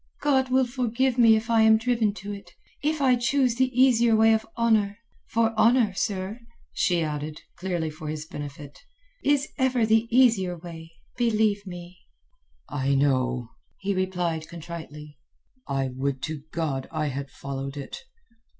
"God will forgive me if I am driven to it—if I choose the easier way of honour; for honour, sir," she added, clearly for his benefit, "is ever the easier way, believe me." "I know," he replied contritely. "I would to God I had followed it."